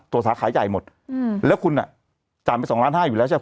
สาขาใหญ่หมดอืมแล้วคุณอ่ะจ่ายไปสองล้านห้าอยู่แล้วใช่ไหม